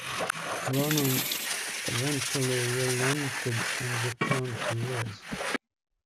Vernon eventually relented and returned to Liz.